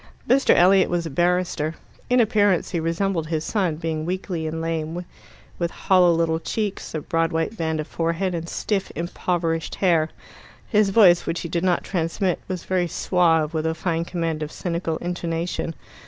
Mr. Elliot was a barrister. In appearance he resembled his son, being weakly and lame, with hollow little cheeks, a broad white band of forehead, and stiff impoverished hair. His voice, which he did not transmit, was very suave, with a fine command of cynical intonation.